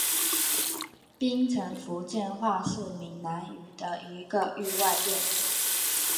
槟城福建话是闽南语的一个域外变体。